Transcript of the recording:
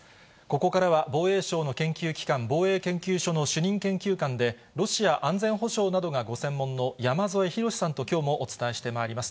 ここからは防衛省の研究機関、防衛研究所の主任研究官で、ロシア安全保障などがご専門の山添博史さんと、きょうもお伝えしてまいります。